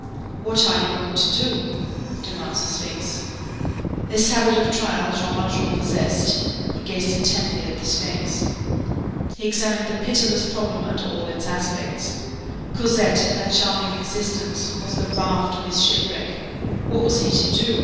What are you going to do? demands the sphinx. This habit of trial Jean Valjean possessed. He gazed intently at the sphinx. He examined the pitiless problem under all its aspects. Cosette, that charming existence, was the raft of this shipwreck. What was he to do?